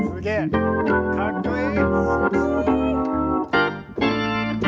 超かっこいい。